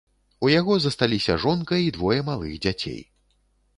У яго засталіся жонка і двое малых дзяцей.